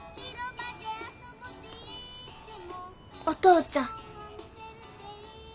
お父ちゃん。